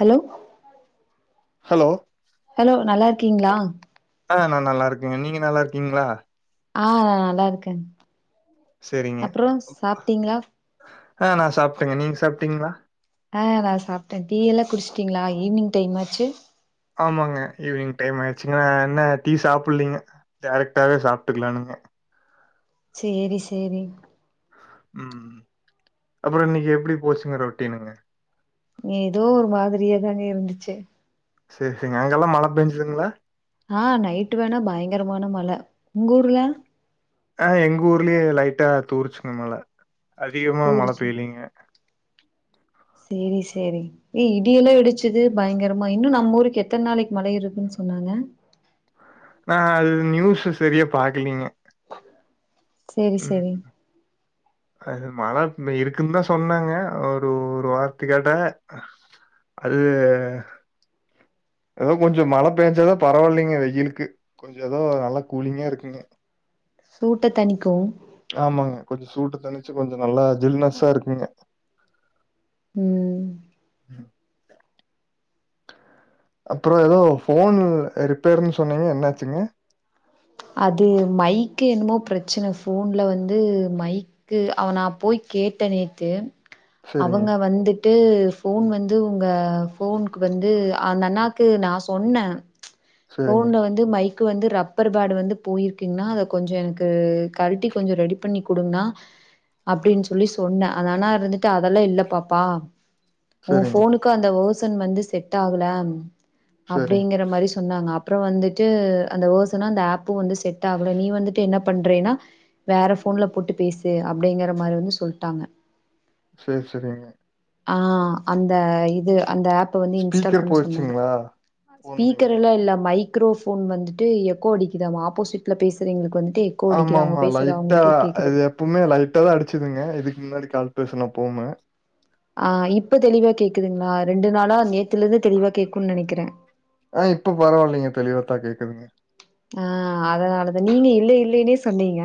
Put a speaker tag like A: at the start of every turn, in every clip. A: Hello
B: hello
A: hello நல்லா இருக்கீங்களா
B: அ நா நல்லா இருக்கங்க நீங்க நல்லா இருக்கீங்களா
A: ஆ நா நல்லா இருக்கே
B: செரிங்க
A: சாப்ட்டீங்களா
B: ஆ நா சாப்பிட்டங்க நீங் சாப்ட்டீங்களா
A: ஆ நா சாப்ட்டே டீயெல்லா குடிச்ட்டீங்களா ஈவி்னிங் டைம்மாச்சு
B: ஆமாங்க ஈவினிங் டைம் ஆயிடுச்சுங்க அ இன்ன டீ சாப்பிட்லீங்க டைரெக்டாவே சாப்ட்டுக்கலானுங்க
A: சேரி சேரி
B: உம் அப்பறோ இன்னிக்கு எப்டி போச்சுங்க ரொட்டீனுங்க
A: ஏதோ ஒரு மாதிரியா தாங்க இருந்துச்சு
B: சேர் சேரிங்க அங்கெல்லா மழ பேஞ்சுதுங்களா
A: ஆ நைட்டு வேணா பயங்கரமான மழ உங்க ஊர்ல
B: ஆ எங்க ஊர்லயே லைட்டா தூருச்சுங்க மழ அதிகமா மழ
A: தூருச்சு
B: பெய்லீங்க
A: சேரி சேரிங் ஏ இடியெல்லா இடிச்சுது பயங்கரமா இன்னு நம் ஊருக்கு எத்தன நாளைக் மழ இருக்குன் சொன்னாங்க
B: ஆ அது நியூஸ்சு செரியா பாக்கலீங்க
A: சேரி
B: ம்
A: சேரிங்
B: அது மழ இருக்குன் தா சொன்னாங்க ஒரு ஒரு வாரத்துக்கட அது ஏதோ கொஞ்சோ மழை பேஞ்சாதா பரவாயில்லைங்க வெயிலுக்கு கொஞ்சோ ஏதோ நல்ல கூலிங்கா இருக்குங்க
A: சூட்ட தணிக்கு
B: ஆமாங்க கொஞ்சோ சூட்டு தணிச்சு கொஞ்சோ நல்லா ஜில்னஸ்ஸா இருக்குங்க
A: ம்
B: ம் அப்பறோ ஏதோ ஃபோன் ரிப்பேர்ன்னு சொன்னீங்க என்னாச்சுங்க
A: அது மைக்கு என்னமோ பிரச்சன ஃபோன்ல வந்து மைக் கு அவ நா போய் கேட்ட நேத்து
B: சரிங்க,
A: அவங்க வந்துட் டு ஃபோன் வந்து உங்க ஃபோனுக்கு வந்து அந்த அண்ணாக்கு நா சொன்ன
B: சரிங்க,
A: ஃபோன்ல வந்து மைக் வந்து ரப்பர் பேடு வந்து போயிருக்குங்கன்னா அத கொஞ்சோ எனக்கு கழட்டி கொஞ்சோ ரெடி பண்ணி குடுங்கண்ணா அப்டின்னு சொல்லி சொன்னே அந்த அண்ணா இருந்துட்டு அதெல்லா இல்ல பாப்பா உ
B: சரிங்க,
A: ஃபோனுக்கு அந்த வெர்சன் வந்து செட் ஆகல
B: சரிங்
A: அப்டிங்கற மாரி சொன்னாங்க அப்பறோ வந்துட்டு அந்த வெர்சனு அந்த ஆப்பும் வந்து செட் ஆகல நீ வந்துட்டு என்ன பண்றேன்னா வேற ஃபோன்ல போட்டு பேசு அப்டிங்கற மாரி வந்து சொல்ட்டாங்க
B: சேரி சேரிங்க
A: ஆ அந்த இது அந்த ஆப் ப வந்து இன்ஸ்டால்
B: ஸ்பீக்கர்
A: பண்ண சொன்னாங்க
B: போயிருச்சுங்களா? ஃபோன்லைங்க.
A: ஸ்பீக்கர்லா இல்ல மைக் ரோ ஃபோன் வந்துட்டு எக்கோ அடிக்குதாமா ஆப்போசிட்ல பேசுறவங்களுக்கு வந்துட்டு எக்கோ
B: ஆமா
A: அடிக்குது அவங்க
B: ஆமா
A: பேசுறது
B: லைட்டா
A: அவங்களுக்கே கேக்குது
B: அது இப்பவுமே லைட்டாதா அடிச்சதுங்க இதுக்கு முன்னாடி கால் பேசுனப்போவுமே
A: ஆ இப்ப தெளிவா கேக்குதுங்களா ரெண்டு நாளா நேத்துல இருந்து தெளிவா கேக்குன்னு நெனைக்கிறே
B: ஆ இப்போ பரவாயில்லைங்க தெளிவாத்தா கேக்குதுங்க
A: ஆ அதனாலதா நீங்க இல்லே இல்லேன்னே சொன்னீங்க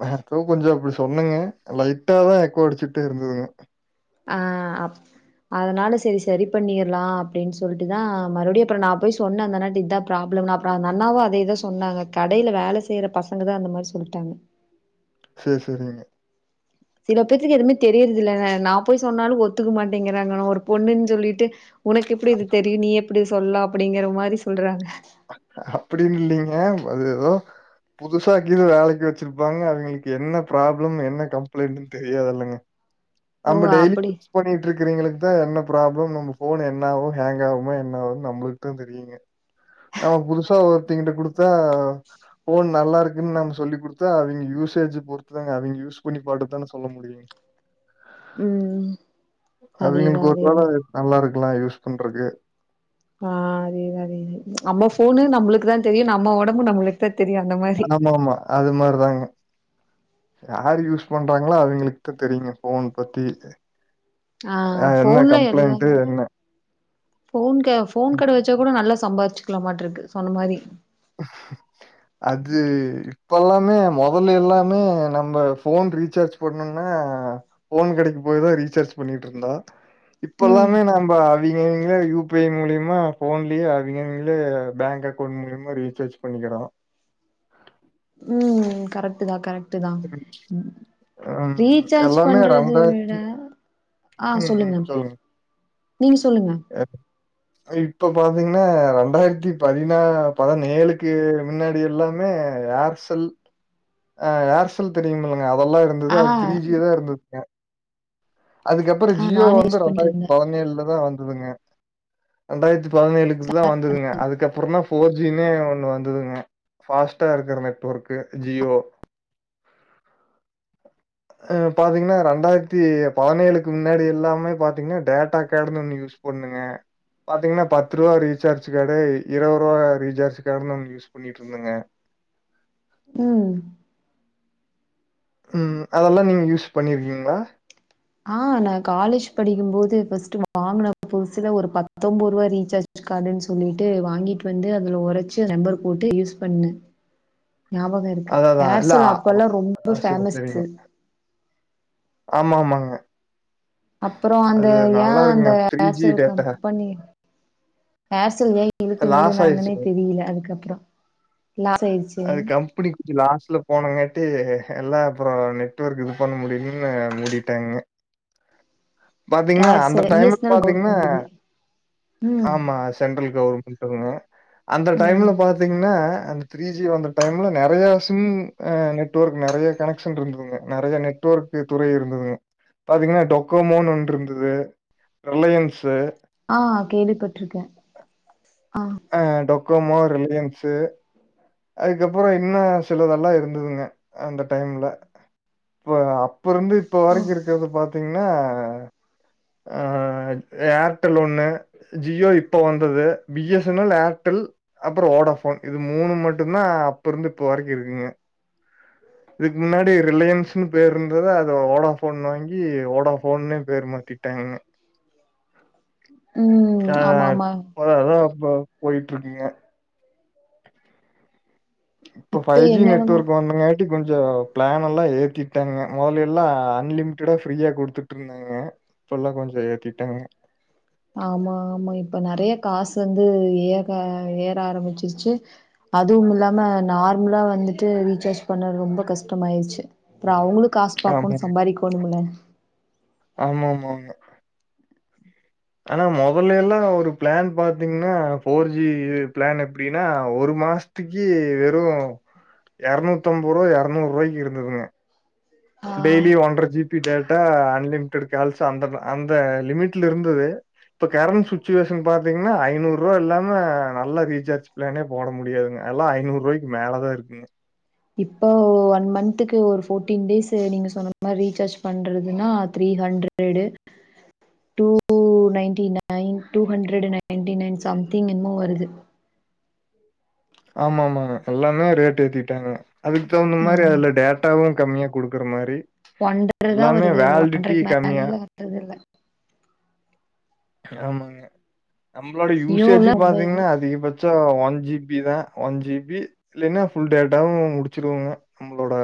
B: அ அப்போ கொஞ்சோ அப்டி சொன்னங்க லைட்டாதா எக்கோ அடிச்சுட்டு இருந்துதுங்க
A: ஆ அப் அதனால செரி சரி பண்ணிட்லா அப்டினு சொல்லிட்டுதா மறுபடியு அப்றோ நா போய் சொன்ன அந்த அண்ணாட்ட இதா ப்ராப்ளம்னு அப்றோ அந்த அண்ணாவு அதேதா சொன்னாங்க கடைல வேல செய்ற பசங்கதா அந்த மாரி சொல்ட்டாங்க
B: சேரி சேரிங்க
A: சில பேத்துக்கு எதுவுமே தெரியறது இல்ல நா போய் சொன்னாலு ஒத்துக்க மாட்டேங்கிறாங்க நா ஒரு பொண்ணுன்னு சொல்லிட்டு உனக்கு எப்டி இது தெரியு நீ எப்டி சொல்லா அப்டிங்கிற மாரி சொல்றாங்க
B: அப்படின்னு இல்லைங்க அது ஏதோ புதுசா கீழ வேலைக்கு வச்சிருப்பாங்க அவங்களுக்கு என்ன ப்ராப்ளம் என்ன கம்ப்ளைண்ட்னு தெரியாதுல்லங்க
A: ஓ
B: நம்ம டெய்லி
A: அப்டி
B: ஒர்க் பண்ணிட்டு இருக்கற எங்களுக்குதா என்ன ப்ராப்ளம் நம்ம ஃபோன் என்னாவு ஹேங் ஆவமா என்ன ஆவுனு நம்மளுக்குதா தெரியு ங்க நம்ம புதுசா ஒருத்தங்கிட்ட குடுத்தா ஃபோன் நல்லா இருக்குன்னு நம்ம சொல்லி குடுத்தா அவங்க யூசேஜ் பொறுத்துதாங்க அவங்க யூஸ் பண்ணி பாத்துட்டுதான சொல்ல முடியு
A: ம் அதேதா
B: அவிங்களுக்கு ஒரு
A: அதேதா
B: வேல நல்லா இருக்கலா யூஸ் பண்றக்கு
A: ஆ அதேதா அதேதா நம்ம ஃபோனு நம்மளுக்குதா தெரியு நம்ம ஒடம்பு நம்மளுக் குதா தெரியு அந்த மாரி
B: ஆமா ஆமா அது மாரிதாங்க யார் யூஸ் பண்றாங்களோ அவிங்களுக்குதா தெரியுங்க போன் பத்தி ஆ என்ன கம்ப்ளைண்ட்டு என்ன
A: போன் க போன் கட வச்சா கூட நல்லா சம்பாச்சுக்கலமாட்டு இருக்கு சொன்ன மாரி
B: அது இப்பெல்லாமே மொதல எல்லாமே நம்ம போன் ரீசார்ஜ் பண்ணும்னா போன் கடைக்கு போய்தா ரீசார்ஜ் பண்ணிட்டு இருந்தோ
A: ம்
B: இப்பல்லாமே நம்ப இவிங்கவிங்களே யு பி ஐ மூலியமா போன்லயே அவிங்கவிங்களே பேங்க் அக்கௌண்ட் மூலி ரீசார்ஜ் பண்ணிக்கிறோ
A: ம் கரெக்ட் தா கரெக் ட்டு தா ம்
B: ம்
A: ரீசார்ஜ்
B: எல்லாமே
A: பண்றத விட
B: ம் ம் சொல்லுங்க
A: நீங்க சொல்லுங்க
B: இப்ப பாத்தீங்கன்னா ரெண்டாயிரத்தி பதினா பதினேழுக்கு முன்னாடி எல்லாமே ஏர்செல் அ ஏர் செல் தெரியுமில்லங்க அதெல்லா இருந்தது
A: ஆ
B: அது த்ரீ ஜி தா இருந்துங்க அதுக்கப்பறோ
A: ஆ
B: ஜியோ
A: நானே
B: வந்து
A: யூஸ்
B: ரெண்டாயிரத்தி
A: பண்ணிட்ருந்தே
B: பதினேழுலதா வந்ததுங்க ரெண்டாயிரத்தி பதினேழுக்கு தா வந்ததுங்க அதுக்கப்றோ தா ஃபோர் ஜினே ஒன்னு வந்ததுங்க ஃபாஸ்ட்டா இருக்கிற நெட்ஒர்க்கு ஜியோ ஆ பாத்தீங்கன்னா ரெண்டாயிரத்தி பதினேழுக்கு முன்னாடி எல்லாமே பாத்தீங்கன்னா டேட்டா காடுன்னு ஒன்னு யூஸ் பண்ணுவ பாத்தீங்கன்னா பத்து ரூபா ரீசார்ஜ் காடே இருவது ரூபா ரீசார்ஜ் கார்டுன்னு ஒன்னு யூஸ் பண்ணிட்டு இருந்தங்க
A: ம்
B: ம் அதெல்லா நீங்க யூஸ் பண்ணிருக்கீங்களா
A: ஆ நா காலேஜ் படிக்கு போது ஃபர்ஸ்ட் வாங்கன புதுசுல ஒரு பத்தொம்பது ரூபா ரீசார்ஜ் கார்டுனு சொல்லிட்டு வாங்கிட்டு வந்து அதுல உரச்சு நம்பர் போட்டு யூஸ் பண்ணே ஞாபகோ இருக்கு
B: அததா இல்ல
A: ஏர்சல் அப்போல்லா ரொம்ப
B: ஆ சரி சரிங்க
A: பேஃமஸு
B: ஆமா ஆமாங்க
A: அப்பறோ அந்த
B: அது
A: யா
B: நல்லா
A: அந்த
B: இருக்குங்க three G
A: Aircel
B: data
A: company Aircel ஏ இழுத்து
B: லாஸ் ஆயிருச்சுங்க
A: மூடுனாங்கன்னே தெரில அதுக்கப்பறோ லாஸ் ஆயி
B: அது கம் புடி குஞ்சி லாஸ்ட்ல போனங்காட்டி எல்லா அப்புறம் நெட்ஒர்க் இது பண்ண முடியும்னு மூடிட்டாய்ங்க பாத்தீங்கன்னா அந்த
A: ஏர்செல் பி
B: டைம்ல
A: எஸ் என் எல்
B: பாத்தீங்கன்னா
A: கவர்மெண்ட் இது ம்
B: ஆமா சென்ட்ரல் கவர்மெண்ட்ங்க அந்த டைம்ல
A: ம்
B: பாத்தீங்கன்னா அந் த்ரீ ஜி வந்த டைமில்ல நறையா சிம் ஆ நெட்ஒர்க் நறைய கனெக்ஷன் இருந்ததுங்க நறைய நெட்ஒர்க் நரைய துறை இருந்ததுங்க பாத்தீங்கன்னா டொக்கோமோனு ஒன்னு இருந்தது ரிலையன்ஸு
A: ஆ கேள்விப்பட்ருக்கே ஆ
B: ஆ டொக்கோமோ ரிலையன்ஸு அதுக்கப்பறோ இன்னும் சிலதெல்லாம் இருந்ததுங்க அந்த டைம்ல இப்ப அப் ப்போ இருந்து இப்ப
A: ஓ
B: வரைக்கும் இருக்கத பாத்தீங்கன்னா ஆ ஏர்டெல் ஒன்னு ஜியோ இப்ப வந்தது B S N L Airtel அப்பறம் ஓடாபோன் இது மூணு மட் டும் தான் அப்ப இருந்து இப்ப வரைக்கும் இருக்குங்க இதுக்கு முன்னாடி ரிலையன்ஸ்ன்னு பேர் இருந்தது அத ஓடா போன் வாங்கி ஓடா போன்னே பேர் மாத்தி ட்டாங்க
A: ம்
B: ஆ அதா
A: ஆமா ஆமா
B: இப்ப அதான் போயிட்டு இருக்கீங்க இப்போ
A: இப்ப
B: ஃபைவ் ஜி
A: என்னென்னமோ
B: நெட்ர்க் வரனுங்க கொஞ்சம் பிளான் எல்லாம் ஏத்திட்டாங்க முதல்ல எல்லாம் அன்லிமிட்டா பிரீயா கொடுத்துட்டு இருந் தாங்க இப்பல்லா கொஞ்சம் ஏத்திட்டாங்க
A: ஆமா ஆமா இப்ப நெறைய காசு வந்து ஏக ஏற ஆரம்பிச்சிருச்சு அதுவும் இல்லாம நார்மலா வந்துட்டு ரீசார்ஜ் பண்ணது ரொம்ப கஷ்டமாயிடுச்சு அப்றோ அவங்களும் காசு பாக்கணும்
B: ஆமாங்க
A: சம்பாதிக்கணும்ல்ல
B: ஆமா ஆமா ஆமா ஆனா முதல்ல எல்லாம் ஒரு ப்ளான் பாத்தீங்கன்னா ஃபோர் ஜி ப்ளான் எப்படின்னா ஒரு மாச த்துக்கு வெறும் இரநூத்தம்பது ரூவா இரநூறு ரூபாய்க்கு இருந்ததுங்க
A: ஆ
B: டெய்லி ஒன்றஜிப் டேட்டா அன்லிமிடெட் கால்ஸ் அந்தந்த அந்த லிமிட்லருந்து இப்ப கரண்ட் சுச்சுவேஷன் பாத்தீங்கன்னா ஐநூறு ரூவா இல்லாம நல்லா ரீசார்ஜ் ப்ளானே போட முடியாதுங்க எல்ல ஐநூறு ரூவாய்க்கு மேலே தான் இருக்குங்க
A: இப்போ ஒன் மந்த்துக்கு ஒரு ஃபோர்ட்டீன் டேஸ் நீங்க சொன்ன மாதிரி ரீசார்ஜ் பண்றதுன்னா three hundred two nine nine two hundred nine nine சம்திங்மும் வருது
B: ஆமா ஆமா எல்லாமே ரேட் ஏத்திட்டாங்க அதுக்கு தகுந்த
A: ஆ
B: மாதிரி அதுல டேட்டாவும் கம்மியா கொடுக்குற மாரி
A: ஒன்றரை தான்
B: எல்லாமே
A: வருது
B: வேலிடிட்டி
A: ஒன்றரைக்கு
B: கம்மியா.
A: மேலிலா வந்தது இல்ல
B: ஆமாங்க நம்மளோட யூசேஜ்
A: ஜியோலா ரொம்ப இது
B: பாத்தீங்கன்னா அதிகபட்ச சோ ஒன் ஜி பி தான் ஒன் ஜி பி இல்லைன்னா புல் டேட்டாவும் முடிச்சிருவாங்க நம்மளோட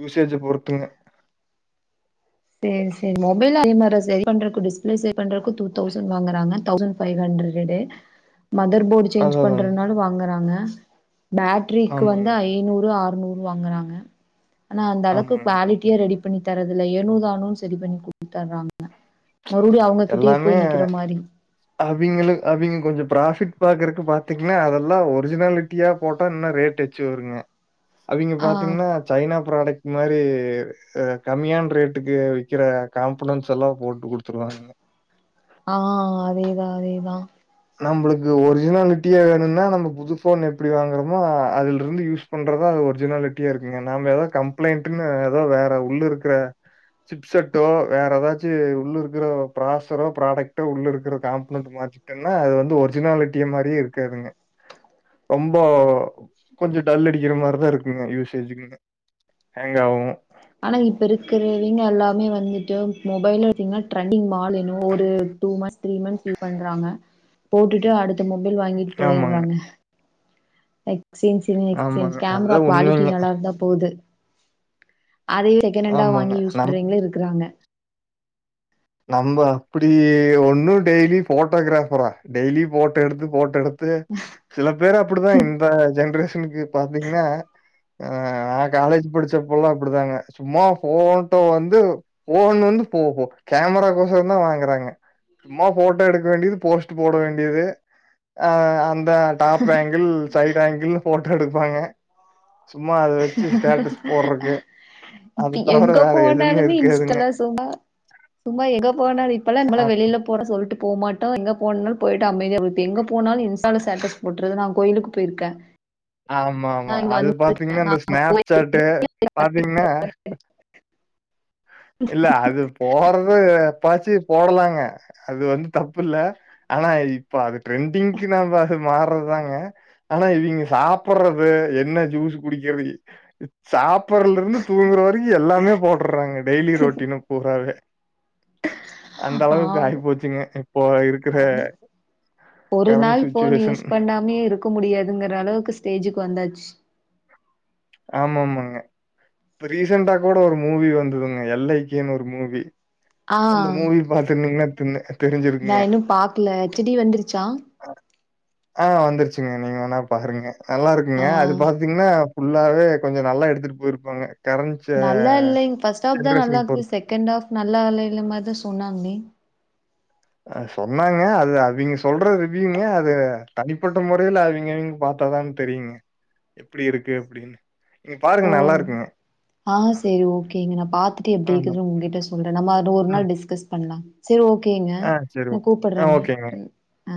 B: யூசேஜ பொறுத்துங்க
A: செரி செரி மொபைல அதே மாரி சரி பண்றதுக்கு டிஸ்ப்ளே சரி பண்றதுக்கு டூ தௌசண்ட் வாங்குறாங்க தௌசண்ட் பைவ் ஹண்ட்ரடே மதர் போர்டு சேஞ்ச்
B: அதான் அதாங்க.
A: பண்றதுனாலு வாங்றாங்க பேட்டரிக்கு
B: ஆமாங்க,
A: வந்து ஐநூறு அறுநூறு வாங்றாங்க ஆனா அந்த அளவுக்கு
B: ஆமாங்க.
A: குவாலிட்டியா ரெடி பண்ணி தரதுல்ல ஏனோ தானோ சரி பண்ணி கொடுக்றாங்க மறுபடியும் அவங்க கிட்டயே போய் நிக்ற மாரி
B: அவிங்களுக்கு அங்க கொஞ்சம் ப்ராபிட் பாக்குறக்கு பாத்தீங்கன்னா அதெல்லாம் ஒரிஜினாலிட்டியா போட்டா இன்ன ரேட்டு வருங்க அவங்க
A: ஆ
B: பாத்தீங்கன்னா சைனா ப்ராடக்ட் மாரி கம்மியான ரேட்டுக்கு வைக்கிற காம்பிடன்ஸ் எல்லாம் போட்டு கொடுத்து ருவாங்க
A: ஆ அதேதான் அதேதான்
B: நம்மளுக்கு ஒரிஜினாலிட்டியா வேணும்னா நம்ம புதுபோன் எப்டி வாங்குறோமோ அதுல இருந்து யூஸ் பண்றதா அது ஒரிஜினாலிட்டியா இருக்குங்க நாம ஏதாவோ கம்ப்ளைண்ட்ன்னு ஏதோ வேற உள்ள இருக்கற சிப் செட்டோ வேற ஏதாச்சும் உள்ள இருக்கிற ப்ராசரோ ப்ராடக்டோ உள்ள இருக்கிற காம்பனன்ட் மாச்சி ன்னா அது வந்து ஒரிஜினாலிட்டி மாரியே இருக்காதுங்க ரொம்போ கொஞ்சம் டல் அடிக்கிற மாதிரிதான் இருக்குங்க யூசேஜக்கு ஹேங்க் ஆவும்
A: ஆனா இப்ப இருக்கிறவங்க எல்லாமே வந்துட்டு மொபைல் இருத்தீங்கன்னா [unintelligible] மால் எனவோ ஒரு two months three months use பண்றாங்க போட்டுட்டு அடுத்து மொபைல் வாங்கிட்டு
B: ஆமாங்க,
A: போய்றாங்க இங்க
B: ஆமாங்க.
A: கேமரா
B: அதுதான்
A: குவாலிட்டி
B: உண்மைங்க.
A: நல்லா இருந்தா போகுது அதே செக்கணண்டா
B: ஆமாங்க.
A: வாங்கி யூஸ்
B: நம்
A: பண்றீங்களே இருக்குறாங்க
B: நம்ம அப்படி ஒன்னு டெய்லி போட்டோகிராஃபரா டெய்லி போட்டோ எடுத்து போட்டோ எடுத் து சில பேரு அப்டிதா இந்த ஜென்ரேஷனுக்கு பாத்தீங்கன்னா ஆ நா காலேஜ் படிச்சப்பல்லா அப்படிதாங்க சும்மா ஃபோட்டோ வந்து போன் வந்து போ போ கேமராக்கோசரம் தா வாங்குறாங்க சும்மா ஃபோட்டோ எடுக்க வேண்டியது போஸ் போட வேண்டியது அந்த top angle side angle photo எடுப்பாங்க சும்மா அத வச்சு ஸ்டேட்டஸ் போடுறக்கு அத
A: இப்ப
B: தவிர
A: எங்க
B: வேற எதுவுமே
A: போனாலுமே
B: இருக்காதுங்க
A: இன்ஸ்டால சும்மா சும்மா எங்க போனாலு இப்பல்லா நம்மள
B: ஆம்
A: வெளில போனா சொல்ட்டு போமாட் டோ எங்க போனுனாலு போயிட்டு அமைதியா இப்ப எங்க போனாலு இன்ஸ்டால ஸ்லேட்டஸ் போட்டுறது நா கோயிலுக்கு போயிருக்கே
B: ஆமா ஆமா
A: நா இங்க
B: அது
A: வந்தே
B: பாத்தீங்கன்னா
A: நா
B: இந்த
A: அங்க போயிருக்கே
B: ஸ்னாப்சாட்டு பாத்தீங்கன்னா இல்ல அது போறது எப்பாச்சு போடலாங்க அது வந்து தப்பு இல்ல ஆனா இப்ப அது ட்ரெண்டிங்க்கு நம்ம அது மாறதாங்க ஆனா இவிங்க சாப்புடுறது என்ன ஜூஸ் குடிக்கிறது சாப்புடுறதுல இருந்து தூங்குற வரைக்கு எல்லாமே போடுறாங்க டெய்லி ரொட்டீனு பூராவே அந்த அளவுக்கு ஆய் போச்சுங்க இப்போ இருக்கிற
A: ஆ ஒரு
B: கரண்ட்
A: நாள் ஃபோனு யூஸ்
B: சிச்சுவேஷன்.
A: பண்ணாமயே இருக்க முடியாதுங்கற அளவுக்கு ஸ்டேஜக்கு வந்தாச்சு
B: ஆமா ஆமாங்க இப்ப ரீசெண்டா கூட ஒரு மூவி வந்ததுங்க எல்ஐக்கேன்னு ஒரு மூவி
A: ஆ
B: அந்த மூவி பாத்துருந்தீங்கனா தின்ன
A: நா இன்னு பாக்கல செடி வந்துருச்சா
B: ஆ வந்துருச்சுங்க நீங்க வேனா பாருங்க நல்லா இருக்குங்க
A: ஆ
B: அது பாத்தீங்கன்னா ஃபுல்லாவே கொஞ்ச நல்லா எடுத்துட்டு போயிருப்பாங்க கரண்ட் ஜெ
A: நல்லா இல்லைங்க ஃபஸ்ட் ஆஃப் தா நல்லா
B: ஜெனரேஷன்
A: இருக்கு
B: பொறுத்து.
A: செகண்ட் ஆஃப் நல்லா இல்லேனு மாதிரி தா சொன்னாங்களே
B: அ சொன்னாங்க அது அவிங்க சொல்ற ரீவ்யூங்க அது தனிப்பட்ட முறையில அவுங்க அவுங் பாத்தா தா தெரியுங்க எப்படி இருக்கு அப்படின்னு நீங்க பாருங்க
A: ஓ
B: நல்லா இருக்குங்க
A: ஆ சேரி ஓகேங்க நா பாத்துட்டு எப்டி
B: ஆமா.
A: இருக்குதுன்னு உங்ககிட்ட சொல்றே நம்ம அது ஒரு
B: ம்.
A: நாள் டிஸ்கஸ் பண்ணலா சேரி ஓகேங்க
B: ஆ சரி
A: நா
B: ஓகே. ஆ
A: கூப்பிடுறேங்க
B: ஓகேங்க.
A: ஆ